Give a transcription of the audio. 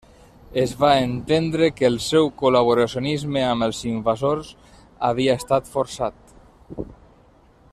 Es va entendre que el seu col·laboracionisme amb els invasors havia estat forçat.